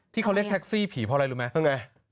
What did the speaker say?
ที่เขาเรียกแท็กซี่ผีเพราะอะไรรู้ไหม